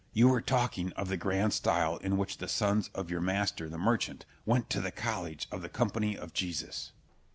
You were talking of the grand style in which the sons of your master the merchant went to the college of the Company of Jesus.